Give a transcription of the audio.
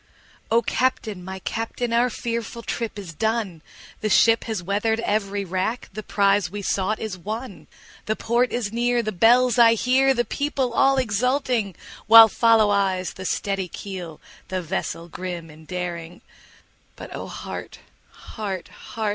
O CAPTAIN! my Captain! our fearful trip is done, The ship has weather'd every rack, the prize we sought is won, The port is near, the bells I hear, the people all exulting, While follow eyes the steady keel, the vessel grim and daring; But O heart! heart! heart!